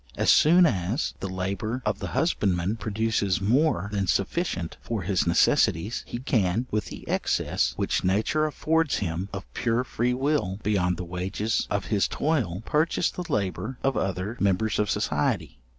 As soon as the labour of the husbandman produces more than sufficient for his necessities, he can, with the excess which nature affords him of pure freewill beyond the wages of his toil, purchase the labour of other members of society.